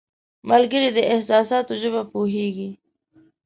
ملګری د احساساتو ژبه پوهیږي